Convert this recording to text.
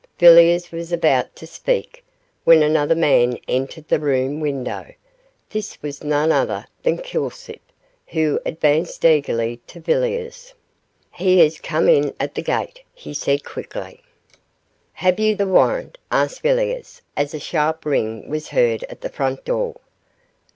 Villiers was about to speak when another man entered the open window. This was none other than Kilsip, who advanced eagerly to Villiers. 'He has come in at the gate,' he said, quickly. 'Have you the warrant,' asked Villiers, as a sharp ring was heard at the front door.